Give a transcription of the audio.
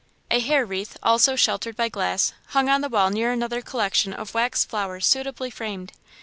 A hair wreath, also sheltered by glass, hung on the wall near another collection of wax flowers suitably framed.